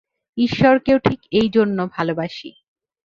ঈশ্বরকেও ঠিক এই জন্য ভালবাসি।